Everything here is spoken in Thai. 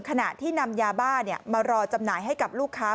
ขณะที่นำยาบ้ามารอจำหน่ายให้กับลูกค้า